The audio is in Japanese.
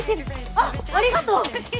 あっありがとう。